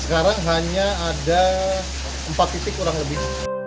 sekarang hanya ada empat titik kurang lebih